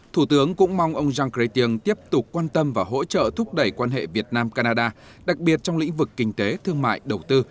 thủ tướng cũng mong ông jean chrétien tiếp tục quan tâm và hỗ trợ thúc đẩy quan hệ việt nam canada đặc biệt trong lĩnh vực kinh tế thương mại đầu tư